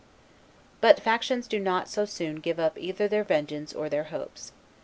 But factions do not so soon give up either their vengeance or their hopes.